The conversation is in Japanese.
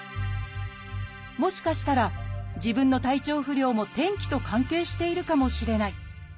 「もしかしたら自分の体調不良も天気と関係しているかもしれない」。